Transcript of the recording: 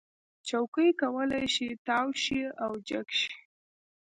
چوکۍ کولی شي تاو شي او جګ شي.